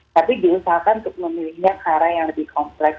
tapi diusahakan untuk memilihnya cara yang lebih kompleks